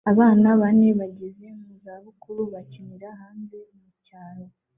Abana bane bageze mu zabukuru bakinira hanze mucyaro